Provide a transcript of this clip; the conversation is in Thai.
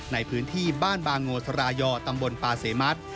ในพื้นที่บ้านบางโงทรายอตำบลปาเสมัติ